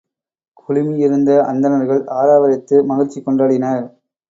குழுமியிருந்த அந்தணர்கள் ஆரவாரித்து மகிழ்ச்சி கொண்டாடினர்.